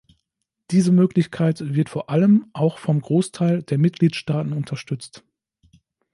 Diese Möglichkeit wird vor allem auch vom Großteil der Mitgliedstaaten unterstützt.